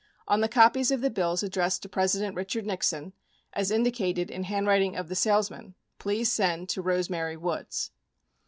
26 On the copies of the bills addressed to President Richard Nixon as indicated in handwriting of the salesman, "please send to Rose Mary Woods."